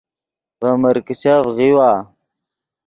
ڤے مرکیچف غیؤوا